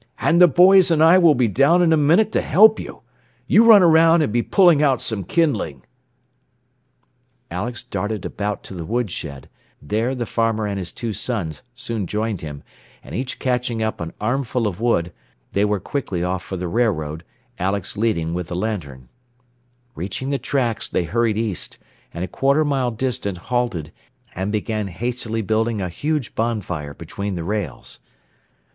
"And the boys and I will be down in a minute to help you. You run around and be pulling out some kindling." [Illustration: THREW HIMSELF AT THE FRONT DOOR, POUNDING UPON IT WITH HIS FISTS.] Alex darted about to the woodshed, there the farmer and his two sons soon joined him, and each catching up an armful of wood, they were quickly off for the railroad, Alex leading with the lantern. Reaching the tracks, they hurried east, and a quarter mile distant halted, and began hastily building a huge bonfire between the rails.